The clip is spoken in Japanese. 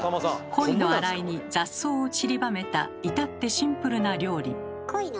鯉のあらいに雑草をちりばめた至ってシンプルな料理。